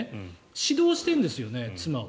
指導してるんですよね、妻を。